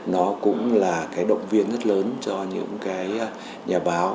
nó cũng là động viên rất lớn cho những nhà báo